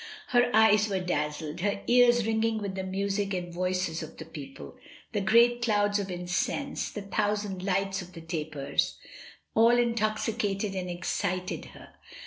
Her eyes were dazzled, her ears ringing with the music and the voices of the people: the great clouds of incense, the thousand lights of the tapers, all intoxicated and excited her.